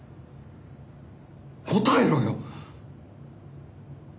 答えろよ！